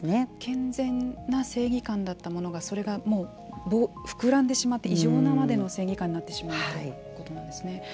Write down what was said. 健全な正義感だったものがそれがもう膨らんでしまって異常なまでの正義感になってしまうということなんですね。